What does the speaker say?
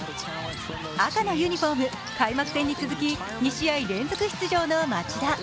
赤のユニフォーム、開幕戦に続き２試合連続出場の町田。